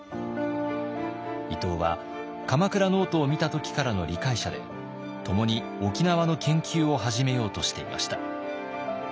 伊東は鎌倉ノートを見た時からの理解者で共に沖縄の研究を始めようとしていました。